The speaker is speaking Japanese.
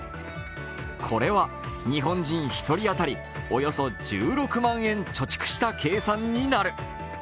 これは日本人１人当たりおよそ１６万円貯蓄した計算になる。